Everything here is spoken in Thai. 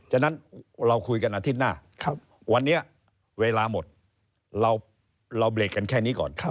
ฉะนั้นเราคุยกันอาทิตย์หน้าวันนี้เวลาหมดเราเบรกกันแค่นี้ก่อน